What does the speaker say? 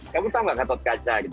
kamu tau nggak gatot kaca gitu